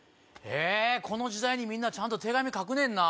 この時代にみんなちゃんと手紙書くねんな。